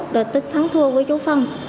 rồi tích thắng thua với chú phong